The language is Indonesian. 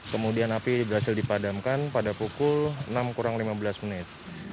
kemudian api berhasil dipadamkan pada pukul enam kurang lima belas menit